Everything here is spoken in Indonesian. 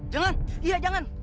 jangan iya jangan